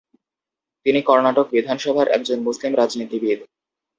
তিনি কর্ণাটক বিধানসভার একজন মুসলিম রাজনীতিবিদ।